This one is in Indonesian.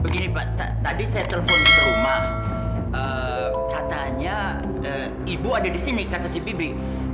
begini pak tadi saya telepon ke rumah katanya ibu ada di sini kata si pi